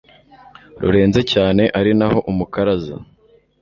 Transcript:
rureze cyane ari naho umukaraza